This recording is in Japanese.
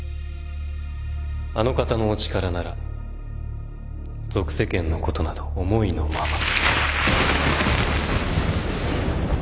あの方のお力なら俗世間のことなど思いのまま。